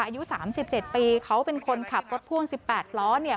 อายุสามสิบเจ็ดปีเขาเป็นคนขับรถพ่วงสิบแปดล้อเนี่ย